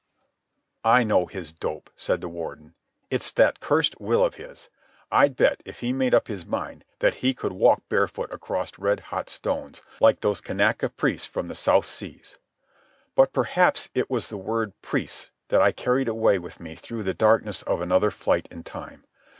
"I know his dope," said the Warden. "It's that cursed will of his. I'd bet, if he made up his mind, that he could walk barefoot across red hot stones, like those Kanaka priests from the South Seas." Now perhaps it was the word "priests" that I carried away with me through the darkness of another flight in time.